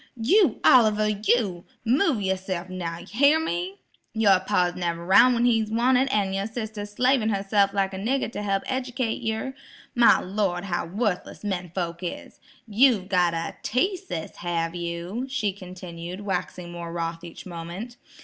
"You, Oliver, you; move yourse'f now, hyar me? Your pa's never 'roun' when he's wanted, an' your sister's slavin' herse'f like a nigger to help ejekate yer. My Lord, how worthless men folks is! You've got a teaseus, have you?" she continued, waxing more wroth each moment.